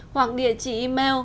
hoặc địa chỉ email